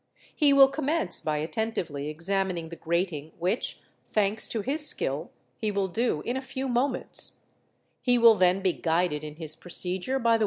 He will com mence by attentively examining the grating which, ~ al Ew thanks to his skill, he will do in a few moments, | he will then be guided in his procedure by the | fig.